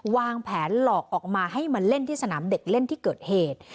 วางแผนหลอกออกมาให้มาเล่นที่สนามเด็กเล่นที่เกิดเหตุ